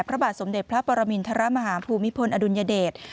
พระบาทสมเด็จพระปรมินทรมาฮาภูมิพลอดุลยเดช